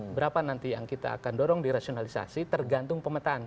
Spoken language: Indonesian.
berapa nanti yang kita akan dorong dirasionalisasi tergantung pemetaan